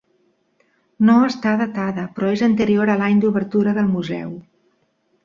No està datada però és anterior a l'any d'obertura del Museu.